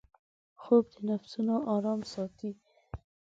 خوب د نفسونـو آرام ساتي